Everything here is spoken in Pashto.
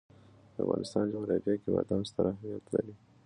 د افغانستان جغرافیه کې بادام ستر اهمیت لري.